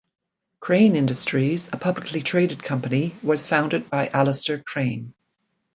Crane Industries, a publicly traded company, was founded by Alistair Crane.